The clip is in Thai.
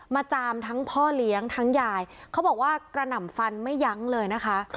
จามทั้งพ่อเลี้ยงทั้งยายเขาบอกว่ากระหน่ำฟันไม่ยั้งเลยนะคะ